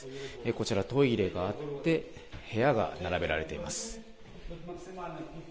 こちら、トイレがあって、部屋が並べられています。